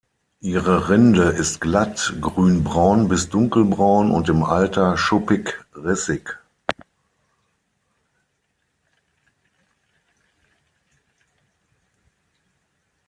Ihre Rinde ist glatt, grün-braun bis dunkelbraun und im Alter schuppig-rissig.